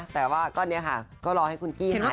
แต่ว่าก็เนี่ยค่ะก็รอให้คุณกี้หาย